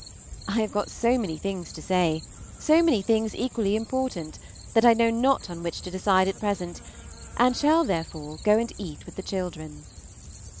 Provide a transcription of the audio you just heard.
I have got so many things to say, so many things equally important, that I know not on which to decide at present, and shall therefore go and eat with the children.